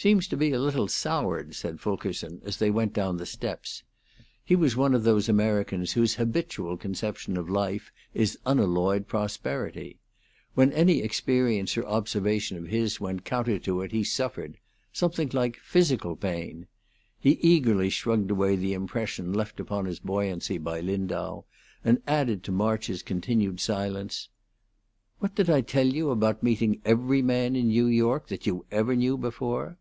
"Seems to be a little soured," said Fulkerson, as they went down the steps. He was one of those Americans whose habitual conception of life is unalloyed prosperity. When any experience or observation of his went counter to it he suffered something like physical pain. He eagerly shrugged away the impression left upon his buoyancy by Lindau, and added to March's continued silence, "What did I tell you about meeting every man in New York that you ever knew before?"